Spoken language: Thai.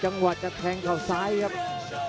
โอ้โหไม่พลาดกับธนาคมโด้แดงเขาสร้างแบบนี้